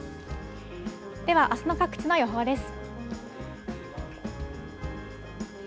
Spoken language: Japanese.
では、あすの各地の予想です。